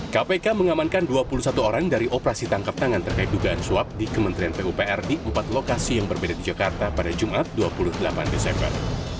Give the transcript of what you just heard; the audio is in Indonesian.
kpk mengamankan dua puluh satu orang dari operasi tangkap tangan terkait dugaan suap di kementerian pupr di empat lokasi yang berbeda di jakarta pada jumat dua puluh delapan desember